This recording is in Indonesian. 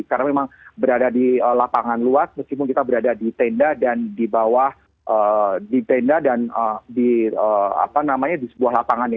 karena memang berada di lapangan